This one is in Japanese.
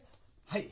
はい。